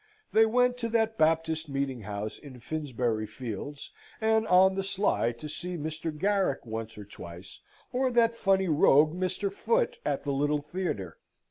They went to that Baptist meeting house in Finsbury Fields, and on the sly to see Mr. Garrick once or twice, or that funny rogue Mr. Foote, at the Little Theatre.